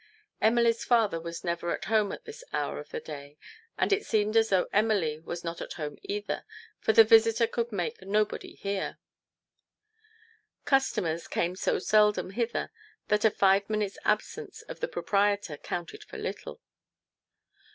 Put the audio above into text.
Emily's father was never at home at this hour of the day, and it seemed as though Emily was not at home either, for the visitor could make nobody hear. Customers came so seldom hither that a five minutes' absence of the proprietor counted for little.